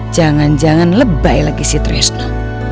jangan jangan lebay lagi si tresna